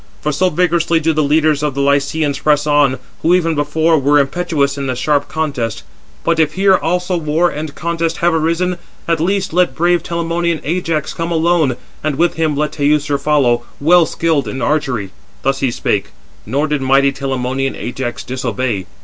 For so vigorously do the leaders of the Lycians press on, who even before were impetuous in the sharp contest. But if here also war and contest have arisen, at least let brave Telamonian Ajax come alone, and with him let Teucer follow, well skilled in archery." Thus he spake, nor did mighty Telamonian Ajax disobey.